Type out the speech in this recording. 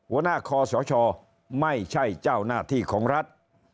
ผู้ตรวจการแผ่นดินไม่ใช่เจ้าหน้าที่ของรัฐ